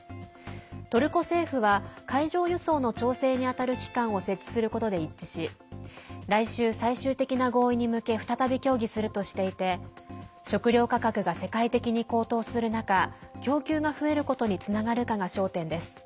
トルコ政府は海上輸送の調整に当たる機関を設置することで一致し来週、最終的な合意に向け再び協議するとしていて食料価格が世界的に高騰する中供給に増えることにつながるかが焦点です。